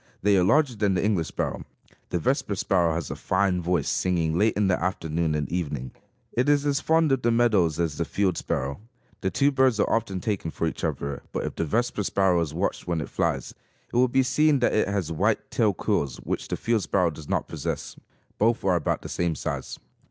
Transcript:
They are larger than the English sparrow. The vesper sparrow has a fine voice, singing late in the afternoon and evening. It is as fond of the meadows as the field sparrow. The two birds are often taken for each other, but if the vesper sparrow is watched when it flies, it will be seen that it has white tail quills which the field sparrow does not possess. Both are about the same size.